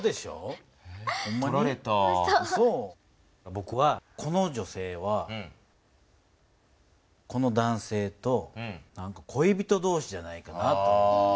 ぼくはこの女性はこの男性とこい人同士じゃないかなと思うのね。